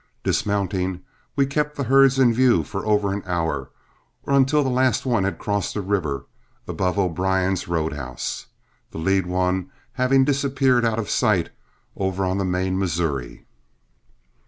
Dismounting, we kept the herds in view for over an hour, or until the last one had crossed the river above O'Brien's road house, the lead one having disappeared out of sight over on the main Missouri.